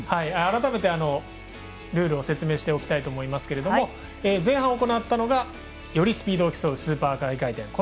改めてルールを説明しておきたいと思いますけれども前半行ったのがよりスピードを競うスーパー大回転。